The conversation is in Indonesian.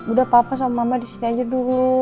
udah papa sama mama disini aja dulu